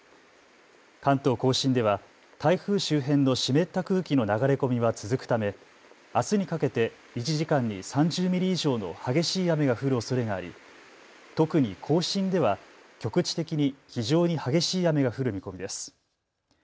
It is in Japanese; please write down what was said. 関東甲信では、台風周辺の湿った空気の流れ込みは続くため、あすにかけて、１時間に３０ミリ以上の激しい雨が降るおそれがあり、特に甲信では局地的に非常に激しい雨が降る見込みです。